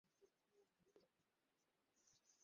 ভালো করেছো সবাই।